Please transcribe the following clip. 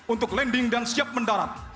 untuk landing dan siap mendarat